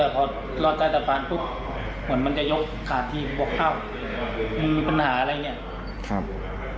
ก็พอรอดใจจากฝานทุกข์เหมือนมันจะยกขาดที่บอกเอ้ามึงมีปัญหาอะไรเนี่ย